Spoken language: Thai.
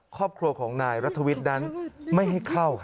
ครอบครัวของนายรัฐวิทย์นั้นไม่ให้เข้า